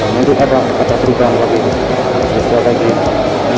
menurut apa kata perubahan madura united